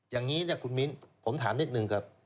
อย่างนี้นะคุณมิ้นผมถามนิดนึงครับ